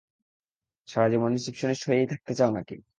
সারাজীবন রিসিপশনিস্ট হয়েই থাকতে চাও নাকি?